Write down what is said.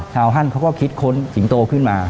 ฮั่นเขาก็คิดค้นสิงโตขึ้นมา